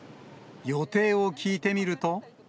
予定を聞いてみると。